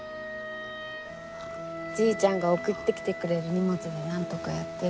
じいちゃんが送ってきてくれる荷物でなんとかやってる。